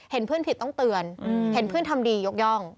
เห็นเพื่อนผิดต้องเตือนเห็นเพื่อนทำดียกย่อง